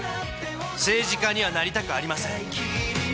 政治家にはなりたくありません！